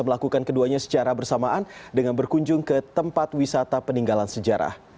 melakukan keduanya secara bersamaan dengan berkunjung ke tempat wisata peninggalan sejarah